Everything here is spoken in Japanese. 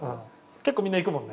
結構みんないくもんね。